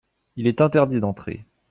Il est interdit d’entrer.